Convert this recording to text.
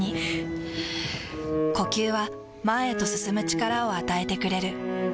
ふぅ呼吸は前へと進む力を与えてくれる。